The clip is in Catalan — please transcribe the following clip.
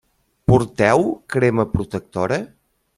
Porteu crema protectora?